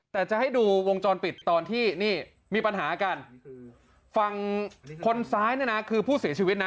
แต่จะให้ดูวงจรปิดตอนที่นี่มีปัญหากันฝั่งคนซ้ายเนี่ยนะคือผู้เสียชีวิตนะ